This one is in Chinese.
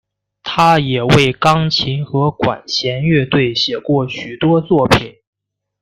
他也为钢琴和管弦乐队写过许多作品。